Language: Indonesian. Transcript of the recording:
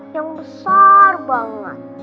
yang besar banget